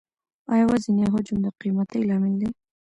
آیا وزن یا حجم د قیمتۍ لامل دی؟